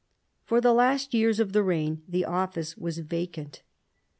For the last years of the reign the office was vacant.